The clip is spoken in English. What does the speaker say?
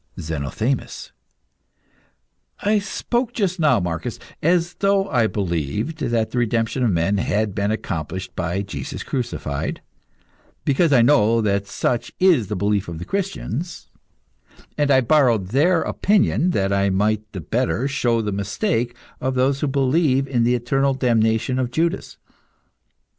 ZENOTHEMIS. I spoke just now, Marcus, as though I believed that the redemption of men had been accomplished by Jesus crucified, because I know that such is the belief of the Christians, and I borrowed their opinion that I might the better show the mistake of those who believe in the eternal damnation of Judas.